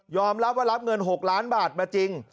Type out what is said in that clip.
รับว่ารับเงิน๖ล้านบาทมาจริง